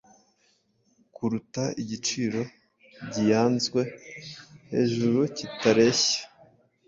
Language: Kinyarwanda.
kuruta igiciro gianzwe, hejurukitarehya